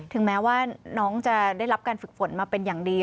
ถึงแม้ว่าน้องจะได้รับการฝึกฝนมาเป็นอย่างดี